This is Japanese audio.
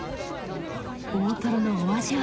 大トロのお味は？